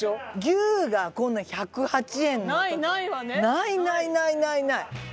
ないないないないない！